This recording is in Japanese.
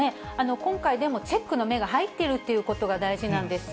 今回でもチェックの目が入っているっていうことが大事なんです。